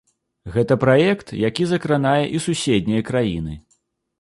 Гэта праект, які закранае і суседнія краіны.